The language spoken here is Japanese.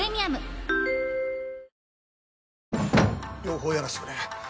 養蜂やらせてくれ。